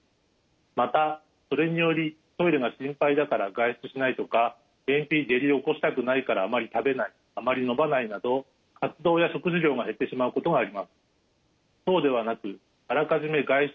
またそれによりトイレが心配だから外出しないとか便秘下痢を起こしたくないからあまり食べないあまり飲まないなど活動や食事量が減ってしまうことがあります。